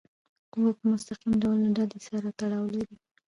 قوه په مستقیم ډول د ډلي سره تړاو لري.